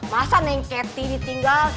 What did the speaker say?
masa neng kety ditinggal